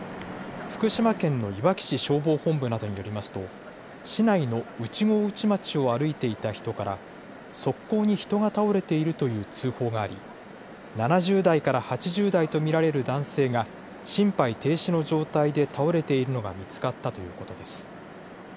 福島県のいわき市消防本部などによりますと市内の内郷内町を歩いていた人から側溝に人が倒れているという通報があり７０代から８０代と見られる男性が心肺停止の状態で倒れているのが見つかったということです。